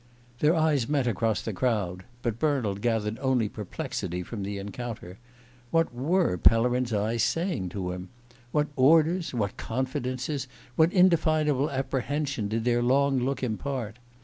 Their eyes met across the crowd; but Bernald gathered only perplexity from the encounter. What were Pellerin's eyes saying to him? What orders, what confidences, what indefinable apprehension did their long look impart?